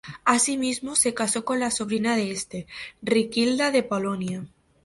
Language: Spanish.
Asimismo se casó con la sobrina de este, Riquilda de Polonia.